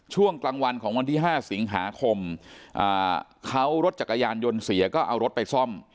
ช่วงกลางวันของวันที่๕สิงหาคมเขารถจักรยานยนต์เสียก็เอารถไปซ่อม